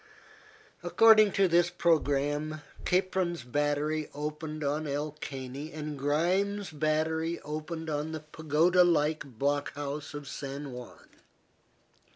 According to this programme, Capron's battery opened on El Caney and Grimes's battery opened on the pagoda like block house of San Juan.